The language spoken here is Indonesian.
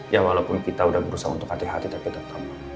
ya walaupun kita sudah berusaha untuk hati hati tapi tetap